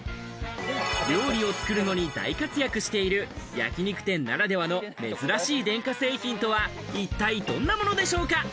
料理を作るのに大活躍している焼き肉店ならではの珍しい電化製品とは一体どんなものでしょうか？